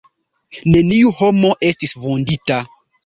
Neniu homo estis vundita.